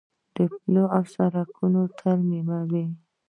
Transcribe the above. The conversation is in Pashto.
پلونه او سړکونه ترمیموي.